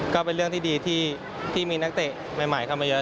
ก็เป็นเรื่องที่ดีที่มีนักเตะใหม่เข้ามาเยอะ